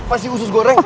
apa sih usus goreng